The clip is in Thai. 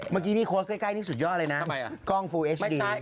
เมื่อกี้นี่เกล้านี่สุดยอดเลยน่ะทำไมอ่ะกล้องฟูเอสดีแหละ